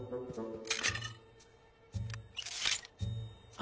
あ！